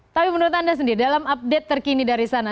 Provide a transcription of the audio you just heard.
tapi menurut anda sendiri dalam update terkini dari sana